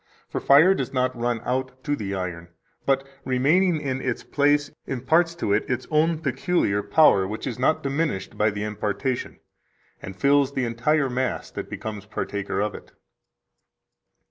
For fire does not run out to the iron, but, remaining in its place, imparts to it its own peculiar power, which is not diminished by the impartation, and fills the entire mass that becomes partaker of it."